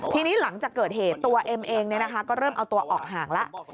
ทีนี้หลังจากเกิดเหตุตัวเอ็มเองก็เริ่มเอาตัวออกห่างแล้ว